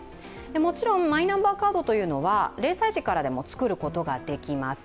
もちろんマイナンバーカードは０歳児から作ることができます。